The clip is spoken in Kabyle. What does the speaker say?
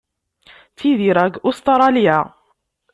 Ttidireɣ deg Ustṛalya.